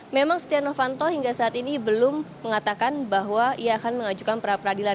memang setia novanto hingga saat ini belum mengatakan bahwa ia akan mengajukan perapradilan